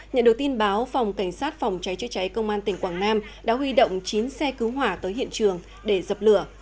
nhận được tin báo phòng cảnh sát phòng cháy chữa cháy công an tỉnh quảng nam đã huy động chín xe cứu hỏa tới hiện trường để dập lửa